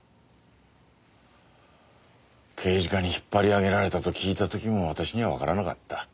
刑事課に引っ張り上げられたと聞いた時も私にはわからなかった。